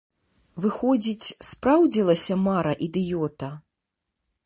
Выходзіць, спраўдзілася мара ідыёта?